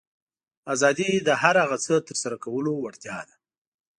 آزادي د هر هغه څه ترسره کولو وړتیا ده.